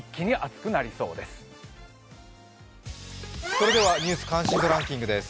それでは「ニュース関心度ランキング」です。